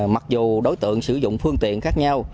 mặc dù đối tượng sử dụng phương tiện khác nhau